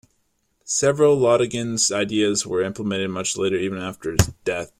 Several Lodygin's ideas were implemented much later, even after his death.